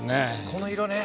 この色ね。